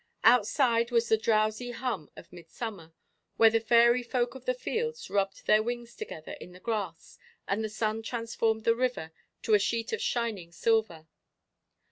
Outside was the drowsy hum of midsummer, where the fairy folk of the fields rubbed their wings together in the grass and the sun transformed the river to a sheet of shining silver.